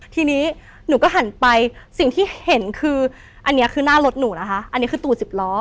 ทีนี้หนูก็หันไปสิ่งที่เห็นคืออันนี้คือหน้ารถหนูนะคะอันนี้คือตู่สิบล้อ